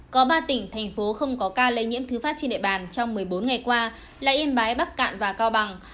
có ba tỉnh thành phố không có ca lây nhiễm thứ phát trên địa bàn trong một mươi bốn ngày qua là yên bái bắc cạn và cao bằng